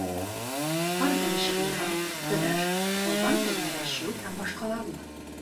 Ҡар бәрешеп уйнау, көрәш, тауҙан тәгәрәшеү һәм башҡалар була.